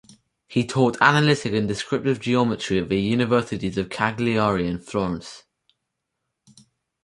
He taught analytic and descriptive geometry at the Universities of Cagliari and Florence.